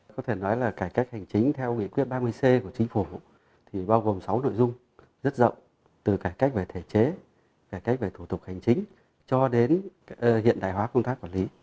có thể nói là cải cách hành chính theo nghị quyết ba mươi c của chính phủ thì bao gồm sáu nội dung rất rộng từ cải cách về thể chế cải cách về thủ tục hành chính cho đến hiện đại hóa công tác quản lý